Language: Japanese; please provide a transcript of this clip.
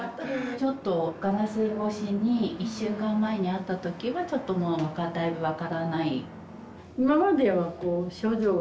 ちょっとガラス越しに１週間前に会った時はちょっともうだいぶ分からない。